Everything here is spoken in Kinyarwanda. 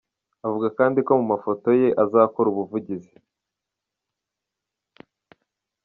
Avuga kandi ko muri aya mafoto ye azakora ubuvugizi.